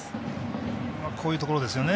こういうところですよね。